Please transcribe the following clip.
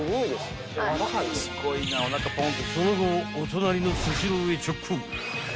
［その後お隣のスシローへ直行］